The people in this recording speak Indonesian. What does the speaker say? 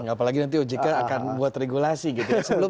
apalagi nanti ojk akan buat regulasi gitu ya